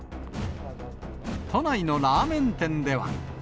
都内のラーメン店では。